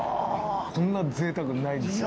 こんなぜいたくないです。